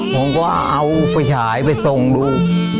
ผมก็เอาไฟฉายไปส่งดู